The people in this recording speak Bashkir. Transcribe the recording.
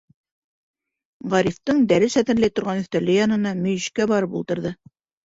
Ғарифтың дәрес әҙерләй торған өҫтәле янына, мөйөшкә, барып ултырҙы.